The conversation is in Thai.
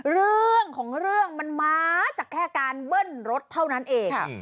เรื่องของเรื่องมันมาจากแค่การเบิ้ลรถเท่านั้นเอง